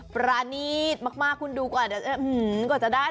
ประนีดมากคุณดูก่อนก็จะได้